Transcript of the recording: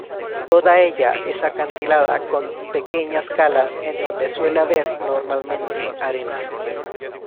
Toda ella es acantilada con pequeñas calas en donde suele haber, normalmente, arena.